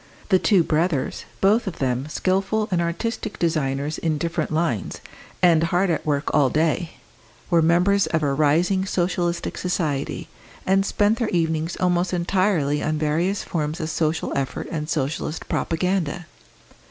The two brothers, both of them skilful and artistic designers in different lines, and hard at work all day, were members of a rising Socialist society, and spent their evenings almost entirely on various forms of social effort and Socialist propaganda.